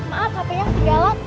maaf apa yang di dalam